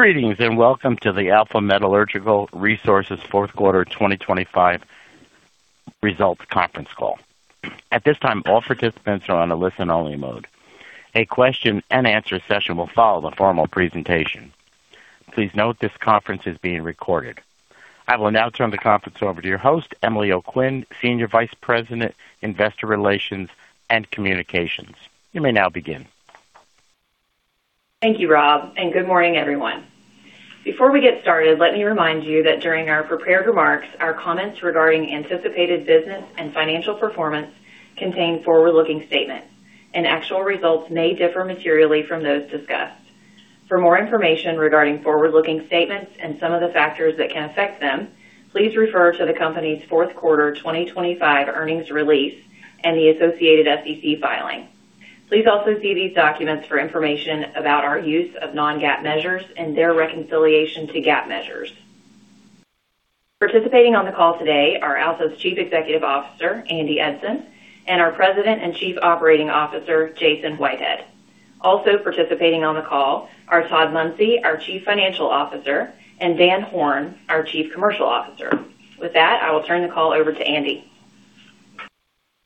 Greetings, welcome to the Alpha Metallurgical Resources Fourth Quarter 2025 Results Conference Call. At this time, all participants are on a listen-only mode. A question and answer session will follow the formal presentation. Please note this conference is being recorded. I will now turn the conference over to your host, Emily O'Quinn, Senior Vice President, Investor Relations and Communications. You may now begin. Thank you, Rob. Good morning, everyone. Before we get started, let me remind you that during our prepared remarks, our comments regarding anticipated business and financial performance contain forward-looking statements. Actual results may differ materially from those discussed. For more information regarding forward-looking statements and some of the factors that can affect them, please refer to the company's fourth quarter 2025 earnings release and the associated SEC filing. Please also see these documents for information about our use of non-GAAP measures and their reconciliation to GAAP measures. Participating on the call today are Alpha's Chief Executive Officer, Andy Eidson, and our President and Chief Operating Officer, Jason Whitehead. Also participating on the call are Todd Munsey, our Chief Financial Officer, and Daniel Horn, our Chief Commercial Officer. With that, I will turn the call over to Andy.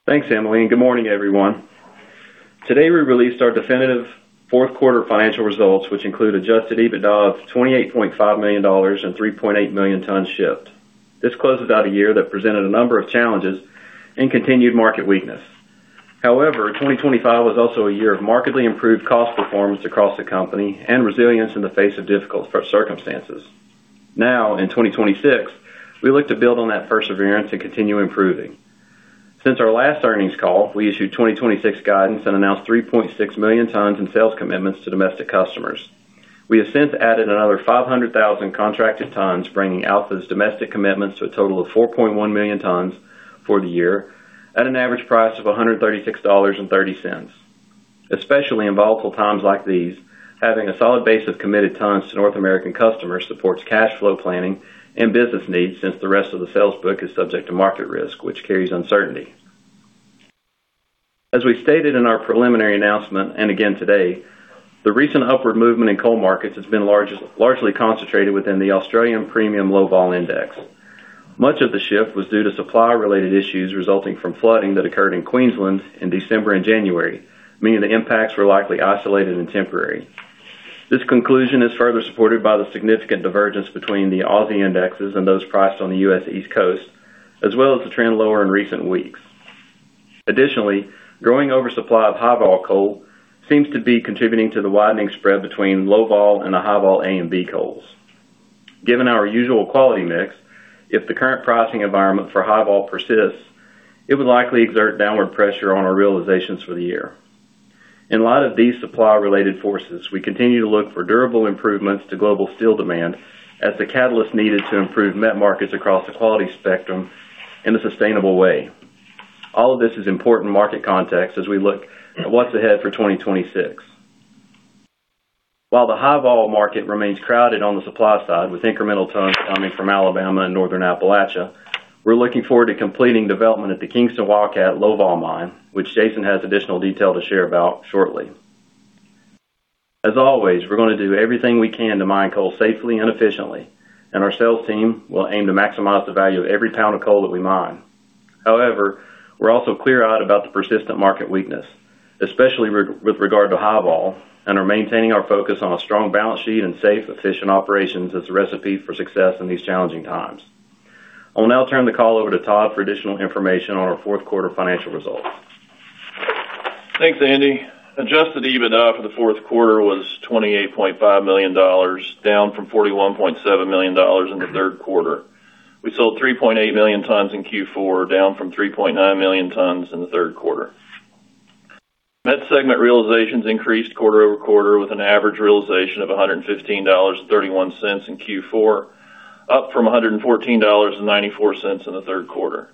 Thanks, Emily. Good morning, everyone. Today, we released our definitive fourth quarter financial results, which include Adjusted EBITDA of $28.5 million and $3.8 million tons shipped. This closes out a year that presented a number of challenges and continued market weakness. However, 2025 was also a year of markedly improved cost performance across the company and resilience in the face of difficult circumstances. Now, in 2026, we look to build on that perseverance and continue improving. Since our last earnings call, we issued 2026 guidance and announced 3.6 million tons in sales commitments to domestic customers. We have since added another 500,000 contracted tons, bringing Alpha's domestic commitments to a total of 4.1 million tons for the year at an average price of $136.30. Especially in volatile times like these, having a solid base of committed tons to North American customers supports cash flow planning and business needs, since the rest of the sales book is subject to market risk, which carries uncertainty. As we stated in our preliminary announcement and again today, the recent upward movement in coal markets has been largely concentrated within the Australian Premium Low-Vol Index. Much of the shift was due to supply-related issues resulting from flooding that occurred in Queensland in December and January, meaning the impacts were likely isolated and temporary. This conclusion is further supported by the significant divergence between the Aussie indexes and those priced on the U.S. East Coast, as well as the trend lower in recent weeks. Additionally, growing oversupply of high-vol coal seems to be contributing to the widening spread between low-vol and the high-vol A and B coals. Given our usual quality mix, if the current pricing environment for high-vol persists, it would likely exert downward pressure on our realizations for the year. In light of these supply-related forces, we continue to look for durable improvements to global steel demand as the catalyst needed to improve Met markets across the quality spectrum in a sustainable way. All of this is important market context as we look at what's ahead for 2026. While the high-vol market remains crowded on the supply side, with incremental tons coming from Alabama and Northern Appalachia, we're looking forward to completing development at the Kingston Wildcat Low-Vol Mine, which Jason has additional detail to share about shortly. As always, we're going to do everything we can to mine coal safely and efficiently, and our sales team will aim to maximize the value of every pound of coal that we mine. However, we're also clear out about the persistent market weakness, especially with regard to high-vol, and are maintaining our focus on a strong balance sheet and safe, efficient operations as the recipe for success in these challenging times. I will now turn the call over to Todd for additional information on our fourth quarter financial results. Thanks, Andy. Adjusted EBITDA for the fourth quarter was $28.5 million, down from $41.7 million in the third quarter. We sold 3.8 million tons in Q4, down from 3.9 million tons in the third quarter. Met segment realizations increased quarter-over-quarter, with an average realization of $115.31 in Q4, up from $114.94 in the third quarter.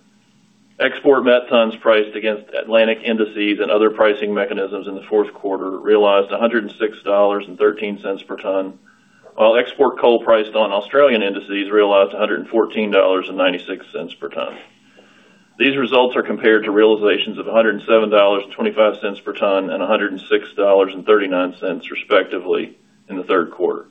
Export met tons priced against Atlantic indices and other pricing mechanisms in the fourth quarter realized $106.13 per ton, while export coal priced on Australian indices realized $114.96 per ton. These results are compared to realizations of $107.25 per ton and $106.39, respectively, in the third quarter.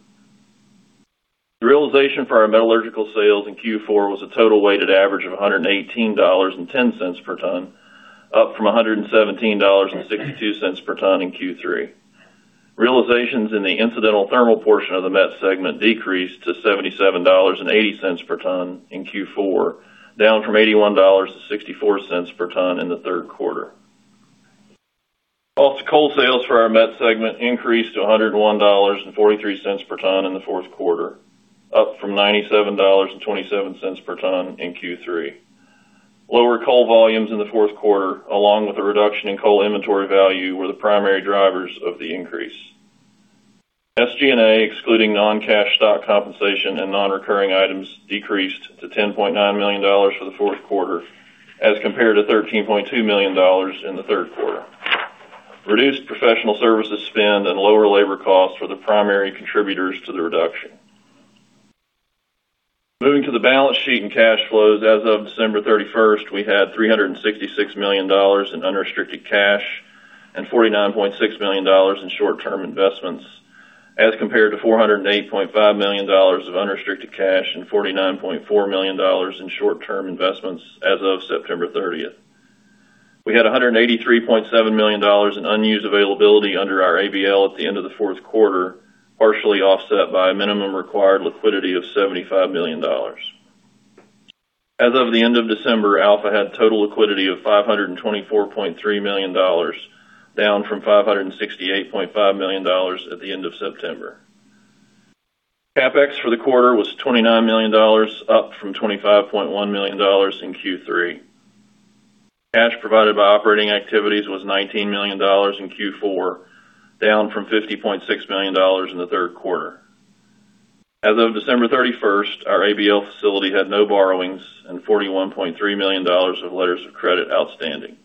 The realization for our metallurgical sales in Q4 was a total weighted average of $118.10 per ton, up from $117.62 per ton in Q3. Realizations in the incidental thermal portion of the Met segment decreased to $77.80 per ton in Q4, down from $81.64 per ton in the third quarter. While the coal sales for our Met segment increased to $101.43 per ton in the fourth quarter, up from $97.27 per ton in Q3. Lower coal volumes in the fourth quarter, along with a reduction in coal inventory value, were the primary drivers of the increase. SG&A, excluding non-cash stock compensation and non-recurring items, decreased to $10.9 million for the fourth quarter, as compared to $13.2 million in the third quarter. Reduced professional services spend and lower labor costs were the primary contributors to the reduction. Moving to the balance sheet and cash flows. As of December 31st, we had $366 million in unrestricted cash and $49.6 million in short-term investments, as compared to $408.5 million of unrestricted cash and $49.4 million in short-term investments as of September 30th. We had $183.7 million in unused availability under our ABL at the end of the fourth quarter, partially offset by a minimum required liquidity of $75 million. As of the end of December, Alpha had total liquidity of $524.3 million, down from $568.5 million at the end of September. CapEx for the quarter was $29 million, up from $25.1 million in Q3. Cash provided by operating activities was $19 million in Q4, down from $50.6 million in the third quarter. As of December 31st, our ABL facility had no borrowings and $41.3 million of letters of credit outstanding.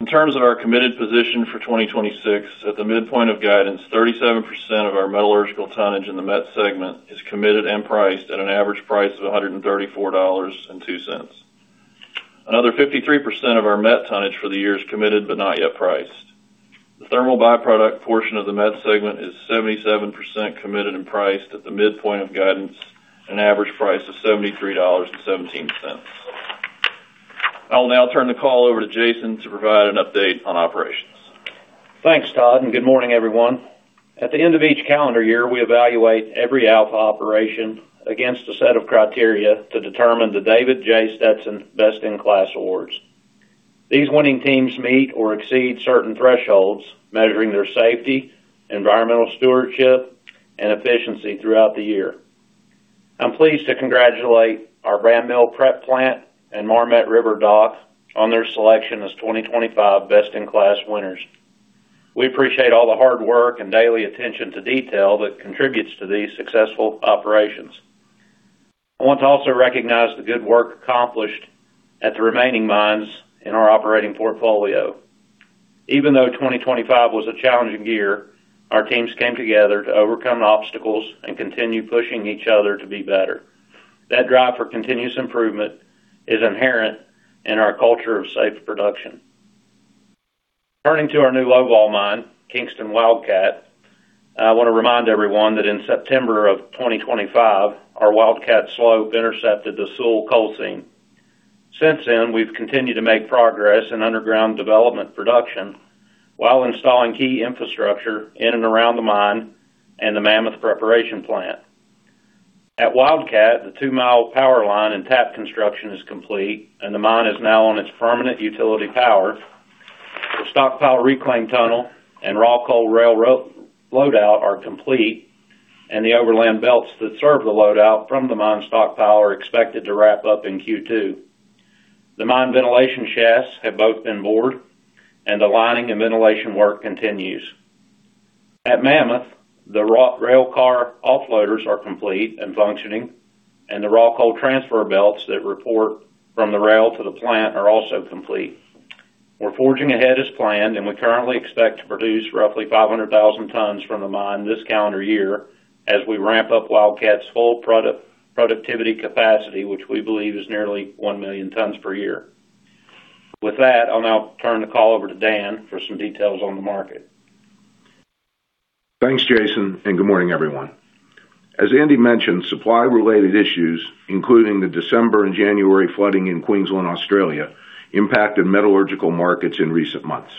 In terms of our committed position for 2026, at the midpoint of guidance, 37% of our metallurgical tonnage in the Met segment is committed and priced at an average price of $134.02. Another 53% of our Met tonnage for the year is committed, but not yet priced. The thermal byproduct portion of the Met segment is 77% committed and priced at the midpoint of guidance, an average price of $73.17. I'll now turn the call over to Jason to provide an update on operations. Thanks, Todd. Good morning, everyone. At the end of each calendar year, we evaluate every Alpha operation against a set of criteria to determine the David J. Stetson Best in Class Awards. These winning teams meet or exceed certain thresholds, measuring their safety, environmental stewardship, and efficiency throughout the year. I'm pleased to congratulate our Bandmill Prep plant and Marmet River Dock on their selection as 2025 Best in Class winners. We appreciate all the hard work and daily attention to detail that contributes to these successful operations. I want to also recognize the good work accomplished at the remaining mines in our operating portfolio. Even though 2025 was a challenging year, our teams came together to overcome obstacles and continue pushing each other to be better. That drive for continuous improvement is inherent in our culture of safe production. Turning to our new Longwall mine, Kingston Wildcat, I want to remind everyone that in September of 2025, our Wildcat Slope intercepted the Sewell coal seam. Since then, we've continued to make progress in underground development production, while installing key infrastructure in and around the mine and the Mammoth preparation plant. At Wildcat, the 2-mile power line and tap construction is complete, and the mine is now on its permanent utility power. The stockpile reclaim tunnel and raw coal railroad loadout are complete, and the overland belts that serve the loadout from the mine stockpile are expected to wrap up in Q2. The mine ventilation shafts have both been bored, and the lining and ventilation work continues. At Mammoth, the rock rail car offloaders are complete and functioning, and the raw coal transfer belts that report from the rail to the plant are also complete. We're forging ahead as planned, and we currently expect to produce roughly 500,000 tons from the mine this calendar year as we ramp up Wildcat's full productivity capacity, which we believe is nearly 1 million tons per year. With that, I'll now turn the call over to Dan for some details on the market. Thanks, Jason. Good morning, everyone. As Andy mentioned, supply-related issues, including the December and January flooding in Queensland, Australia, impacted metallurgical markets in recent months.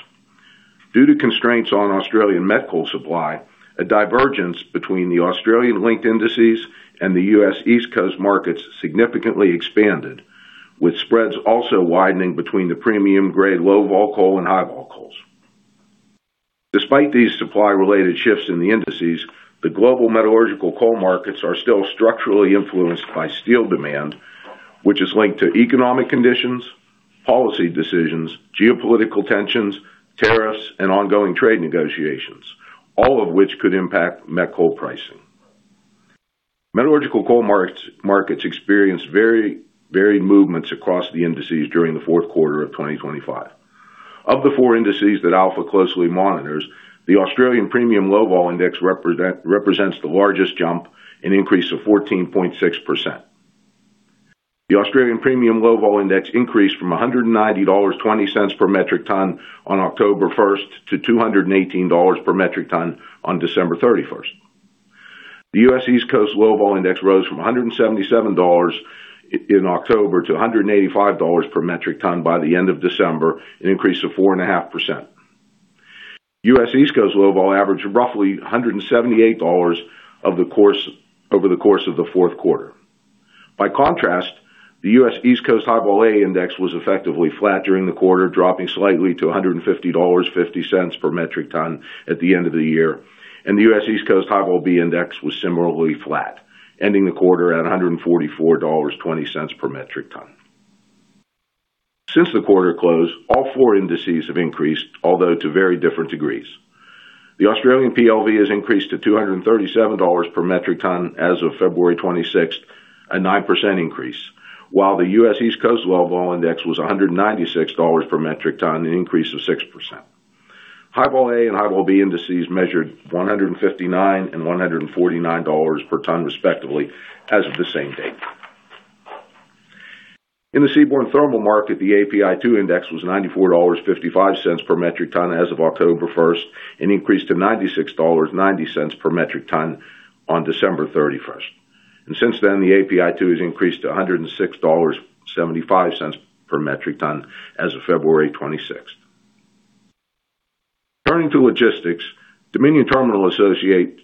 Due to constraints on Australian met coal supply, a divergence between the Australian-linked indices and the U.S. East Coast markets significantly expanded, with spreads also widening between the premium grade, low-vol coal and high-vol coals. Despite these supply-related shifts in the indices, the global metallurgical coal markets are still structurally influenced by steel demand, which is linked to economic conditions, policy decisions, geopolitical tensions, tariffs, and ongoing trade negotiations, all of which could impact met coal pricing. Metallurgical coal markets experienced very varied movements across the indices during the fourth quarter of 2025. Of the four indices that Alpha closely monitors, the Australian Premium Low-Vol Index represents the largest jump, an increase of 14.6%. The Australian Premium Low-Vol Index increased from $190.20 per metric ton on October 1st, to $218 per metric ton on December 31st. The U.S. East Coast low-vol index rose from $177 in October to $185 per metric ton by the end of December, an increase of 4.5%. U.S. East Coast low-vol averaged roughly $178 over the course of the fourth quarter. By contrast, the U.S. East Coast High-Vol A index was effectively flat during the quarter, dropping slightly to $150.50 per metric ton at the end of the year, and the U.S. East Coast High-Vol B Index was similarly flat, ending the quarter at $144.20 per metric ton. Since the quarter closed, all four indices have increased, although to very different degrees. The Australian PLV has increased to $237 per metric ton as of February 26th, a 9% increase, while the U.S. East Coast low-vol index was $196 per metric ton, an increase of 6%. High-vol A and high-vol B indices measured $159 and $149 per ton, respectively, as of the same date. In the seaborne thermal market, the API2 index was $94.55 per metric ton as of October 1st, and increased to $96.90 per metric ton on December 31st. Since then, the API2 has increased to $106.75 per metric ton as of February 26th. Turning to logistics, Dominion Terminal Associates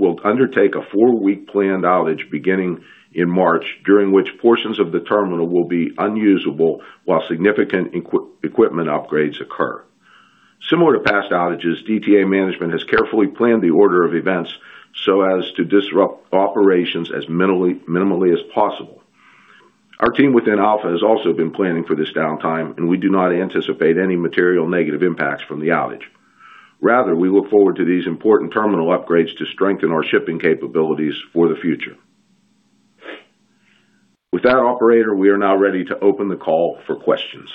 will undertake a 4-week planned outage beginning in March, during which portions of the terminal will be unusable while significant equipment upgrades occur. Similar to past outages, DTA management has carefully planned the order of events so as to disrupt operations as minimally as possible. Our team within Alpha has also been planning for this downtime, and we do not anticipate any material negative impacts from the outage. Rather, we look forward to these important terminal upgrades to strengthen our shipping capabilities for the future. With that, operator, we are now ready to open the call for questions.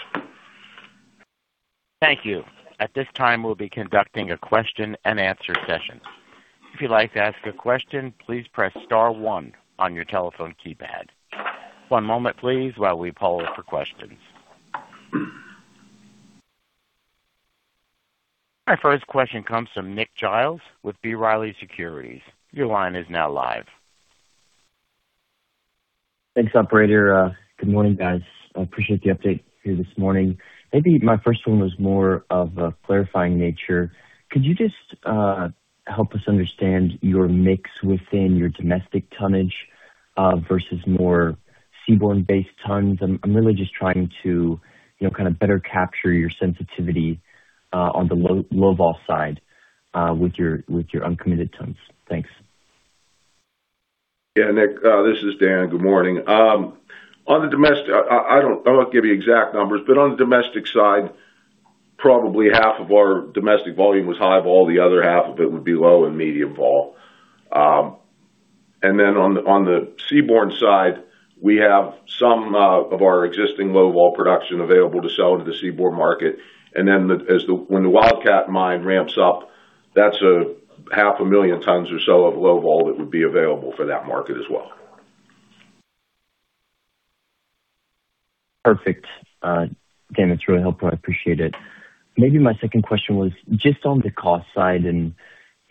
Thank you. At this time, we'll be conducting a question and answer session. If you'd like to ask a question, please press star one on your telephone keypad. One moment, please, while we poll for questions. Our first question comes from Lucas Pipes with B. Riley Securities. Your line is now live. Thanks, operator. Good morning, guys. I appreciate the update here this morning. Maybe my first one was more of a clarifying nature. Could you just help us understand your mix within your domestic tonnage versus more seaborne-based tons? I'm really just trying to, you know, kind of better capture your sensitivity on the low-vol side with your uncommitted tons. Thanks. Yeah, Lucas, this is Dan. Good morning. On the domestic, I don't, I won't give you exact numbers, but on the domestic side, probably half of our domestic volume was high-vol, the other half of it would be low and medium-vol. On the seaborne side, we have some of our existing low-vol production available to sell into the seaborne market. When the Wildcat mine ramps up, that's 500,000 tons or so of low-vol that would be available for that market as well. Perfect. Dan, that's really helpful. I appreciate it. Maybe my second question was just on the cost side, you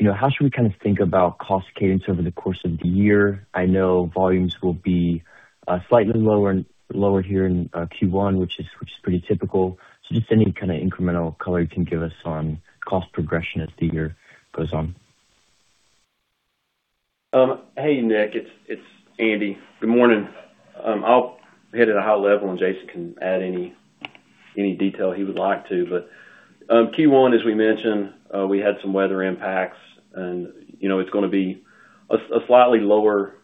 know, how should we kind of think about cost cadence over the course of the year? I know volumes will be slightly lower here in Q1, which is pretty typical. Just any kind of incremental color you can give us on cost progression as the year goes on. Hey, Lucas, it's Andy. Good morning. I'll hit it at a high level, and Jason can add any detail he would like to. Q1, as we mentioned, we had some weather impacts and, you know, it's gonna be a slightly lower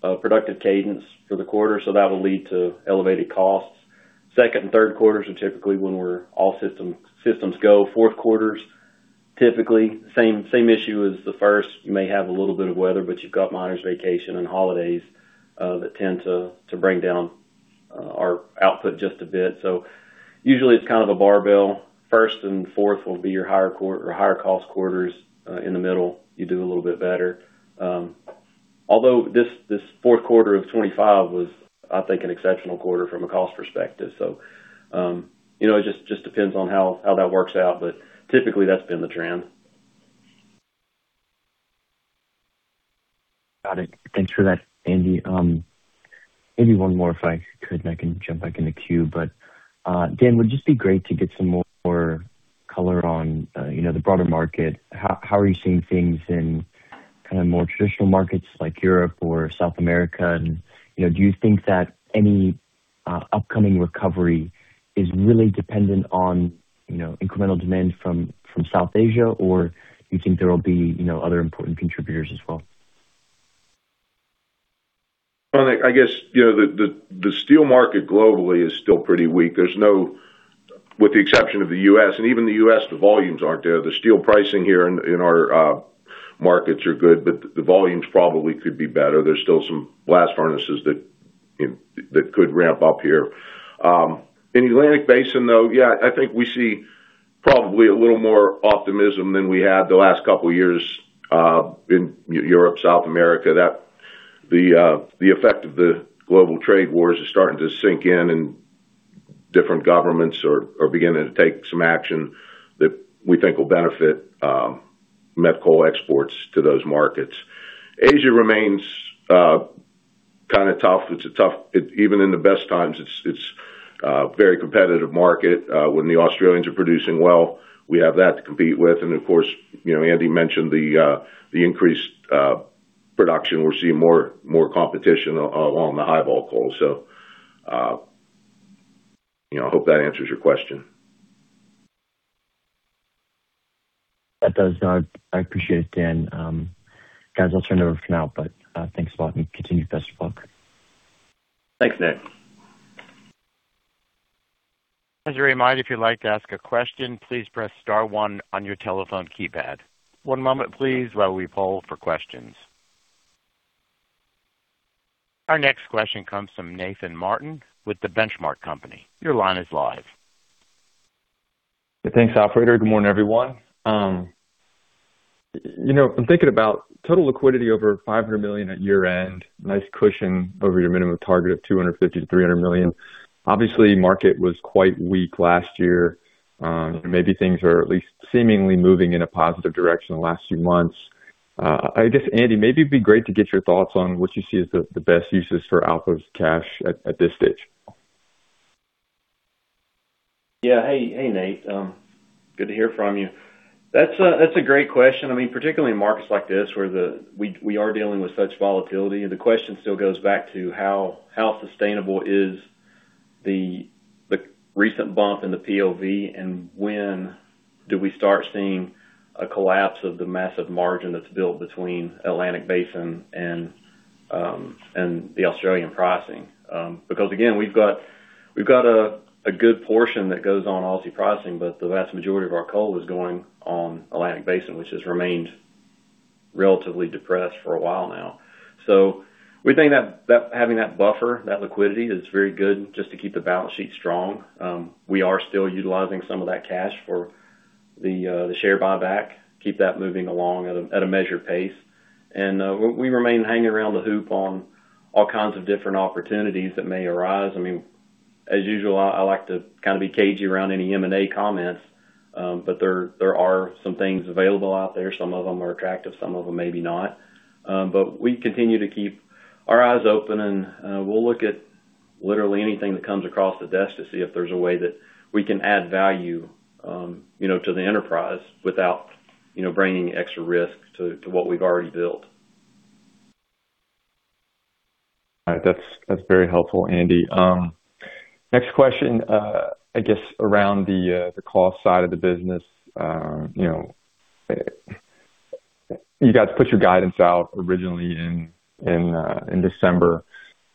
productive cadence for the quarter, so that will lead to elevated costs. Second and third quarters are typically when we're all systems go. Fourth quarter's typically same issue as the first. You may have a little bit of weather, but you've got miners' vacation and holidays that tend to bring down our output just a bit. Usually it's kind of a barbell. First and fourth will be your higher cost quarters. In the middle, you do a little bit better. Although this fourth quarter of 25 was, I think, an exceptional quarter from a cost perspective. You know, it just depends on how that works out, but typically that's been the trend. Got it. Thanks for that, Andy. Maybe one more, if I could, and I can jump back in the queue. Dan, would it just be great to get some more color on, you know, the broader market? How, how are you seeing things in kind of more traditional markets like Europe or South America? Do you think that any upcoming recovery is really dependent on, you know, incremental demand from South Asia, or do you think there will be, you know, other important contributors as well? Well, Nick, I guess, you know, the steel market globally is still pretty weak. With the exception of the U.S., and even the U.S., the volumes aren't there. The steel pricing here in our markets are good, but the volumes probably could be better. There's still some blast furnaces that could ramp up here. In the Atlantic Basin, though, yeah, I think we see probably a little more optimism than we had the last couple of years in Europe, South America, that the effect of the global trade wars is starting to sink in, and different governments are beginning to take some action that we think will benefit met coal exports to those markets. Asia remains kind of tough. Even in the best times, it's a very competitive market. When the Australians are producing well, we have that to compete with. Of course, you know, Andy mentioned the increased production. We're seeing more competition along the high-vol coal. You know, I hope that answers your question. That does. I appreciate it, Dan. Guys, I'll turn it over for now, but thanks a lot, and continue. Best of luck. Thanks, Nick. As a reminder, if you'd like to ask a question, please press star one on your telephone keypad. One moment, please, while we poll for questions. Our next question comes from Nathan Martin with The Benchmark Company. Your line is live. Thanks, operator. Good morning, everyone. you know, I'm thinking about total liquidity over $500 million at year-end. Nice cushion over your minimum target of $250 million-$300 million. Obviously, market was quite weak last year, maybe things are at least seemingly moving in a positive direction in the last few months. I guess, Andy, maybe it'd be great to get your thoughts on what you see as the best uses for Alpha's cash at this stage? Yeah. Hey, Nate. Good to hear from you. That's a great question. I mean, particularly in markets like this, where we are dealing with such volatility, the question still goes back to how sustainable is the recent bump in the PLV, and when do we start seeing a collapse of the massive margin that's built between Atlantic Basin and the Australian pricing? Again, we've got a good portion that goes on Aussie pricing, but the vast majority of our coal is going on Atlantic Basin, which has remained relatively depressed for a while now. We think that having that buffer, that liquidity, is very good just to keep the balance sheet strong. We are still utilizing some of that cash for the share buyback, keep that moving along at a measured pace. We remain hanging around the hoop on all kinds of different opportunities that may arise. I mean, as usual, I like to kind of be cagey around any M&A comments, but there are some things available out there. Some of them are attractive, some of them maybe not. We continue to keep our eyes open, and we'll look at literally anything that comes across the desk to see if there's a way that we can add value, you know, to the enterprise without, you know, bringing extra risk to what we've already built. All right. That's very helpful, Andy. Next question, I guess around the cost side of the business. You know, you guys put your guidance out originally in December.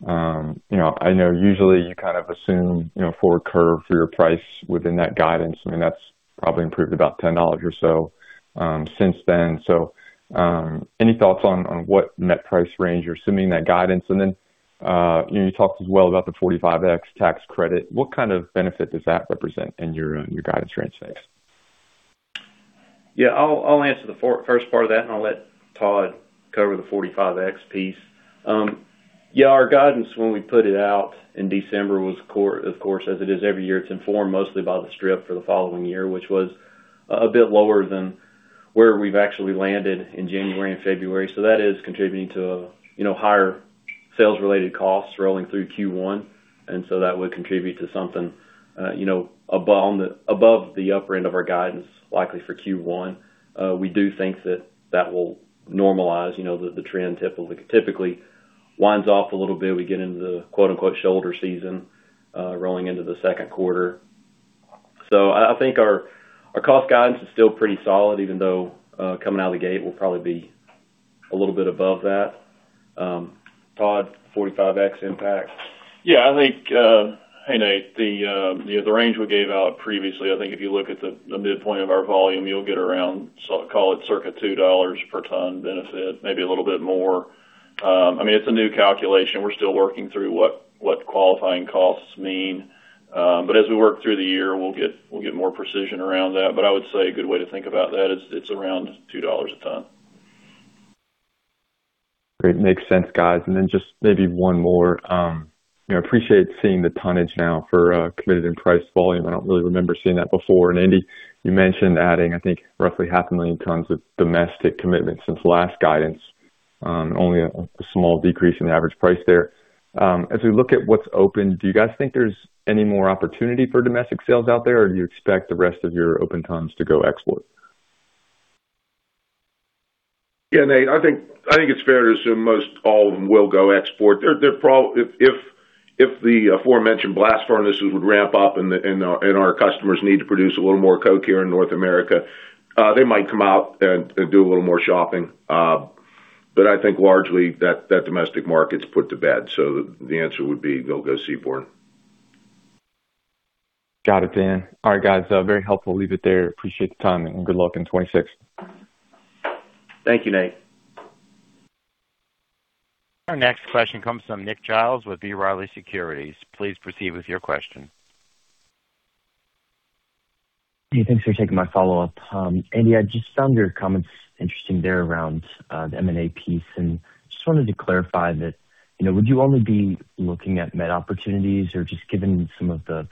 You know, I know usually you kind of assume, you know, forward curve for your price within that guidance. I mean, that's probably improved about $10 or so since then. Any thoughts on what net price range you're assuming that guidance? You know, you talked as well about the 45X tax credit. What kind of benefit does that represent in your guidance range, thanks? I'll answer the first part of that, I'll let Todd cover the 45X piece. Our guidance, when we put it out in December, was of course, as it is every year, it's informed mostly by the strip for the following year, which was a bit lower than where we've actually landed in January and February. That is contributing to a, you know, higher sales-related costs rolling through Q1, that would contribute to something, you know, above the upper end of our guidance, likely for Q1. We do think that will normalize. You know, the trend typically winds off a little bit. We get into the quote-unquote shoulder season, rolling into the second quarter. I think our cost guidance is still pretty solid, even though, coming out of the gate will probably be a little bit above that. Todd, 45X impact? Yeah, I think, Hey, Nate, the, you know, the range we gave out previously, I think if you look at the midpoint of our volume, you'll get around, so call it circa $2 per ton benefit, maybe a little bit more. I mean, it's a new calculation. We're still working through what qualifying costs mean. As we work through the year, we'll get more precision around that. I would say a good way to think about that is it's around $2 a ton. Great. Makes sense, guys. Then just maybe one more. You know, appreciate seeing the tonnage now for committed in price volume. I don't really remember seeing that before. Andy, you mentioned adding, I think, roughly half a million tons of domestic commitments since last guidance, only a small decrease in the average price there. As we look at what's open, do you guys think there's any more opportunity for domestic sales out there, or do you expect the rest of your open tons to go export? Yeah, Nate, I think it's fair to assume most all of them will go export. If the aforementioned blast furnaces would ramp up and our customers need to produce a little more coke here in North America, they might come out and do a little more shopping. I think largely that domestic market's put to bed, the answer would be they'll go seaborne. Got it, Dan. All right, guys, very helpful. Leave it there. Appreciate the time, and good luck in 2026. Thank you, Nate. Our next question comes from Lucas Pipes with B. Riley Securities. Please proceed with your question. Hey, thanks for taking my follow-up. Andy, I just found your comments interesting there around, the M&A piece, and just wanted to clarify that, you know, would you only be looking at met opportunities, or just given some of the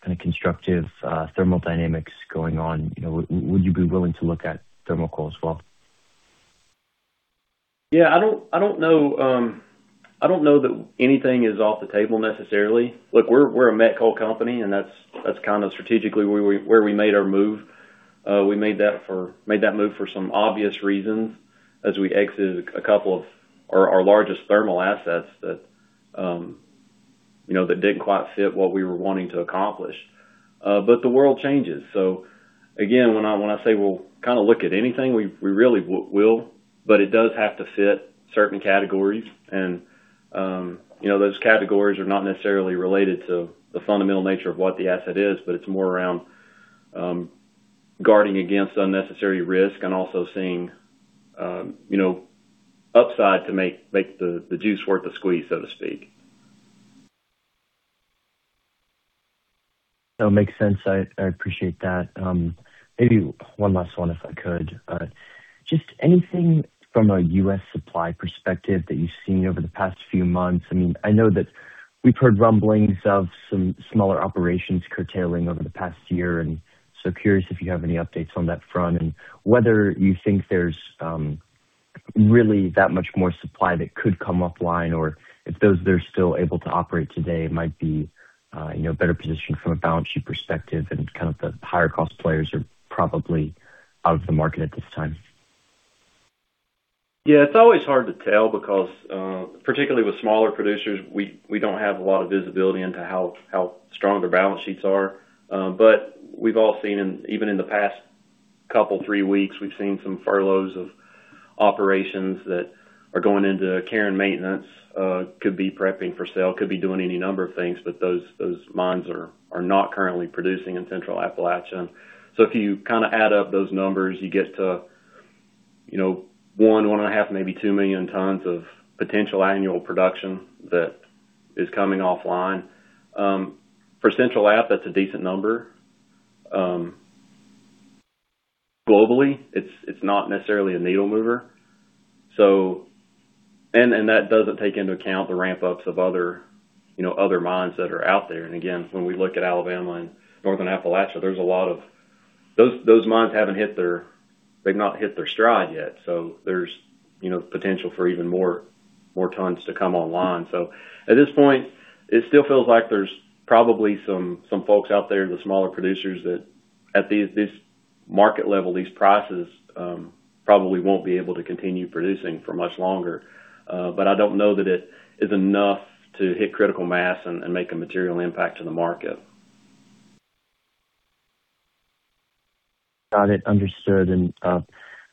kind of constructive, thermodynamics going on, you know, would you be willing to look at thermal coal as well? Yeah, I don't know that anything is off the table necessarily. Look, we're a met coal company, that's kind of strategically where we made our move. We made that move for some obvious reasons, as we exited a couple of our largest thermal assets that, you know, that didn't quite fit what we were wanting to accomplish. The world changes. Again, when I say we'll kind of look at anything, we really will, but it does have to fit certain categories. You know, those categories are not necessarily related to the fundamental nature of what the asset is, but it's more around guarding against unnecessary risk and also seeing, you know, upside to make the juice worth the squeeze, so to speak. No, makes sense. I appreciate that. Maybe one last one, if I could. Just anything from a U.S. supply perspective that you've seen over the past few months? I mean, I know that we've heard rumblings of some smaller operations curtailing over the past year, curious if you have any updates on that front, and whether you think there's really that much more supply that could come offline, or if those that are still able to operate today might be, you know, better positioned from a balance sheet perspective, kind of the higher-cost players are probably out of the market at this time? Yeah, it's always hard to tell because, particularly with smaller producers, we don't have a lot of visibility into how strong their balance sheets are. But we've all seen, even in the past couple, three weeks, we've seen some furloughs of operations that are going into care and maintenance, could be prepping for sale, could be doing any number of things, but those mines are not currently producing in Central Appalachia. If you kind of add up those numbers, you get to, you know, 1.5 million tons, maybe 2 million tons of potential annual production that is coming offline. For Central App, that's a decent number. Globally, it's not necessarily a needle mover. That doesn't take into account the ramp-ups of other, you know, other mines that are out there. Again, when we look at Alabama and Northern Appalachia, those mines they've not hit their stride yet, so there's, you know, potential for even more tons to come online. At this point, it still feels like there's probably some folks out there, the smaller producers, that at these, this market level, these prices, probably won't be able to continue producing for much longer. But I don't know that it is enough to hit critical mass and make a material impact to the market. Got it. Understood.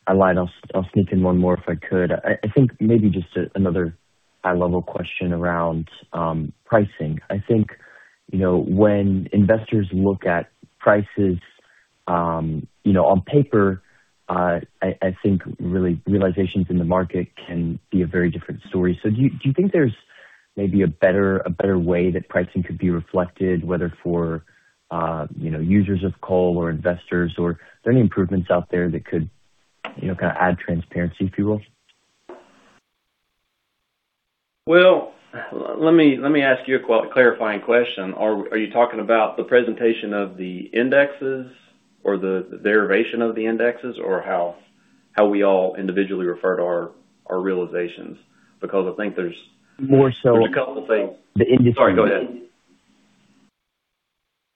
I lied, I'll sneak in one more, if I could. I think maybe just another high-level question around pricing. I think, you know, when investors look at prices, you know, on paper, I think, really, realizations in the market can be a very different story. Do you think there's maybe a better way that pricing could be reflected, whether for, you know, users of coal or investors, or are there any improvements out there that could, you know, kind of add transparency, if you will? Well, let me ask you a clarifying question. Are you talking about the presentation of the indexes or the derivation of the indexes, or how we all individually refer to our realizations? Because I think. More There's a couple things. The industry. Sorry, go ahead.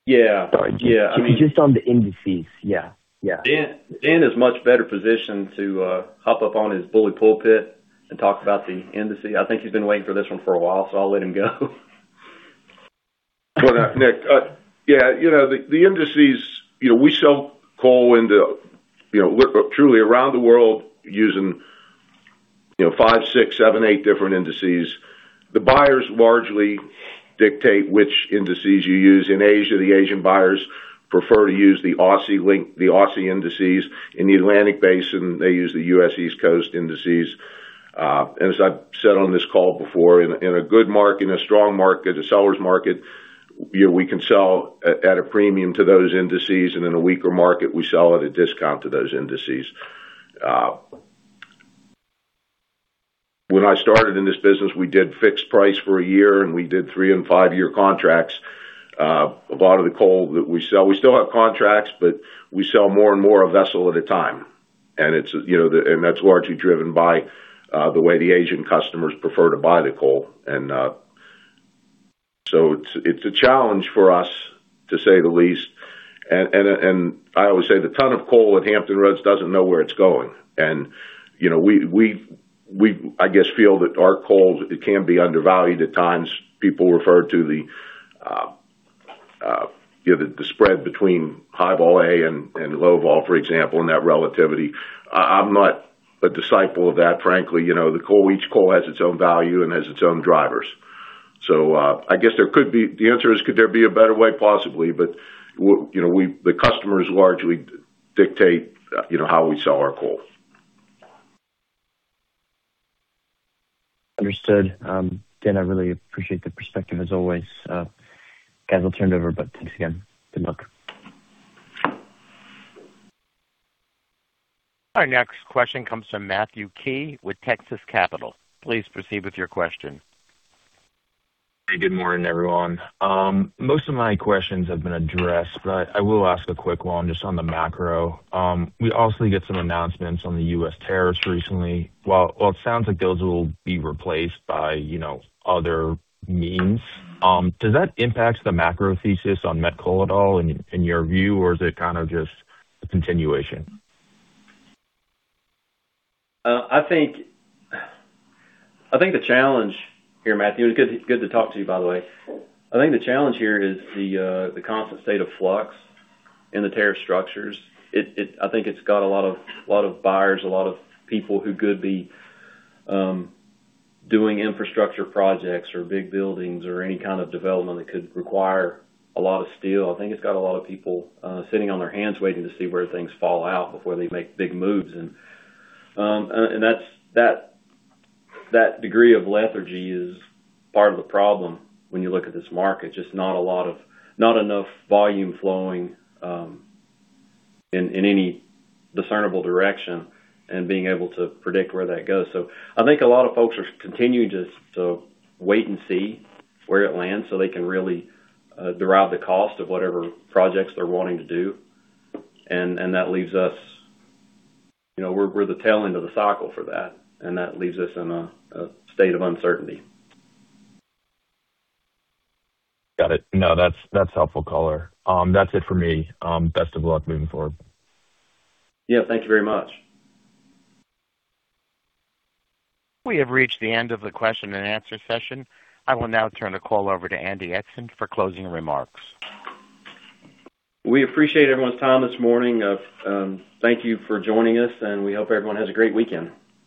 Yeah. Sorry. Yeah. Just on the indices. Yeah, yeah. Dan is much better positioned to hop up on his bully pulpit and talk about the indices. I think he's been waiting for this one for a while. I'll let him go. Well, Nick, yeah, you know, the indices, you know, we sell coal into, you know, we're truly around the world using, you know, five, six, seven, eight different indices. The buyers largely dictate which indices you use. In Asia, the Asian buyers prefer to use the Aussie-link, the Aussie indices. In the Atlantic Basin, they use the U.S. East Coast indices. As I've said on this call before, in a good market, in a strong market, a seller's market, you know, we can sell at a premium to those indices, in a weaker market, we sell at a discount to those indices. When I started in this business, we did fixed price for a year, we did three and five-year contracts. A lot of the coal that we sell, we still have contracts, we sell more and more a vessel at a time. It's, you know, that's largely driven by the way the Asian customers prefer to buy the coal. It's, it's a challenge for us, to say the least. I always say, the ton of coal at Hampton Roads doesn't know where it's going. You know, we, I guess, feel that our coal, it can be undervalued at times. People refer to the, you know, the spread between high-vol A and low-vol, for example, and that relativity. I'm not a disciple of that, frankly. You know, the coal, each coal has its own value and has its own drivers. I guess there could be. The answer is, could there be a better way? Possibly. You know, we the customers largely dictate, you know, how we sell our coal. Understood. Dan, I really appreciate the perspective as always. Guys, I'll turn it over, but thanks again. Good luck. Our next question comes from Matthew Key with Texas Capital. Please proceed with your question. Hey, good morning, everyone. Most of my questions have been addressed. I will ask a quick one just on the macro. We obviously get some announcements on the U.S. tariffs recently. Well, it sounds like those will be replaced by, you know, other means. Does that impact the macro thesis on met coal at all, in your view, or is it kind of just a continuation? I think the challenge here, Matthew. It's good to talk to you, by the way. I think the challenge here is the constant state of flux in the tariff structures. It, I think it's got a lot of buyers, a lot of people who could be doing infrastructure projects or big buildings or any kind of development that could require a lot of steel. I think it's got a lot of people sitting on their hands waiting to see where things fall out before they make big moves. That's that degree of lethargy is part of the problem when you look at this market. Just not enough volume flowing in any discernible direction and being able to predict where that goes. I think a lot of folks are continuing to wait and see where it lands, so they can really derive the cost of whatever projects they're wanting to do. That leaves us, you know, we're the tail end of the cycle for that, and that leaves us in a state of uncertainty. Got it. No, that's helpful color. That's it for me. Best of luck moving forward. Yeah, thank you very much. We have reached the end of the question and answer session. I will now turn the call over to Andy Eidson for closing remarks. We appreciate everyone's time this morning. Thank you for joining us, and we hope everyone has a great weekend.